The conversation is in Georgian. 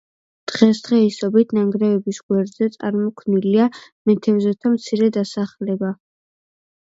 დღესდღეობით ნანგრევების გვერდზე წარმოქმნილია მეთევზეთა მცირე დასახლება.